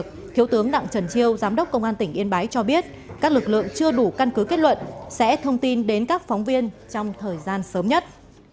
trước đó thiếu tướng đặng trần chi giám đốc công an tỉnh yên bái cho biết các lực lượng chưa đủ căn cứ kết luận sẽ thông tin đến các phóng viên trong thời gian sớm nhất